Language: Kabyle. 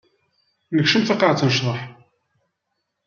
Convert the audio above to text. Nekcem taqaɛet n ccḍeḥ.